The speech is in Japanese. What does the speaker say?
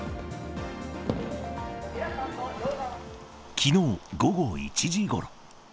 きのう午後１時ごろ。